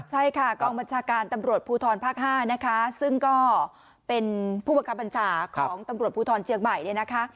ใช่ค่ะกองบัญชาการตำรวจภูทรภาค๕นะคะซึ่งก็เป็นผู้บังคับบัญชาของตำรวจภูทรเชียงใหม่เนี่ยนะคะ